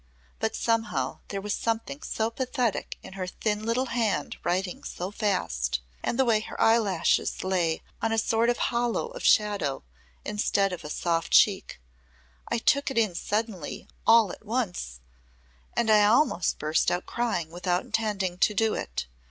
"But somehow there was something so pathetic in her little thin hand writing so fast and the way her eyelashes lay on a sort of hollow of shadow instead of a soft cheek I took it in suddenly all at once And I almost burst out crying without intending to do it.